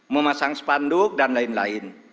memasang spanduk dan lain lain